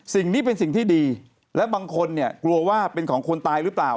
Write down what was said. สิ่งนี้เป็นสิ่งที่ดีและบางคนเนี่ยกลัวว่าเป็นของคนตายหรือเปล่า